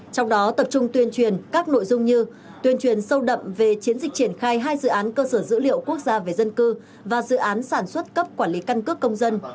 trong đó tập trung tuyên truyền các nội dung như tuyên truyền sâu đậm về chiến dịch triển khai hai dự án cơ sở dữ liệu quốc gia về dân cư và dự án sản xuất cấp quản lý căn cước công dân